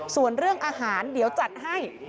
ส่วนเรื่องอาหารเดี๋ยวจัดให้